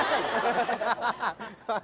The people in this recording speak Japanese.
ハハハハハ。